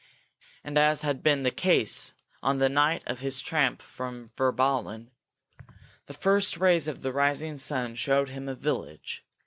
And, as had been the case on the night of his tramp from Virballen, the first rays of the rising sun showed him a village.